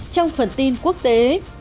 trong phần tin quốc tế